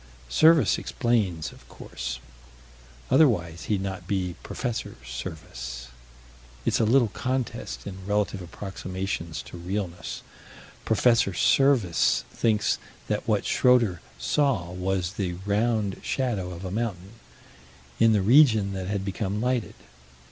Serviss explains, of course. Otherwise he'd not be Prof. Serviss. It's a little contest in relative approximations to realness. Prof. Serviss thinks that what Schroeter saw was the "round" shadow of a mountain in the region that had become lighted.